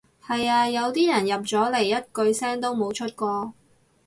係呀，有啲人入咗嚟一句聲都冇出過